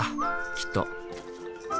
きっと。